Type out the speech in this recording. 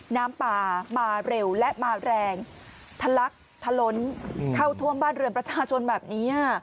น้ำป่ามาเร็วและมาแรงทะลักทะล้นเข้าท่วมบ้านเรือนประชาชนแบบนี้